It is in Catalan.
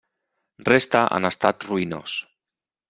Resta en estat ruïnós.